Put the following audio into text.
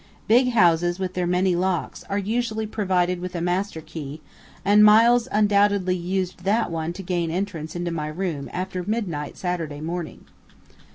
Big houses, with their many locks, are usually provided with a master key, and Miles undoubtedly used that one to gain entrance into my room after midnight Saturday morning."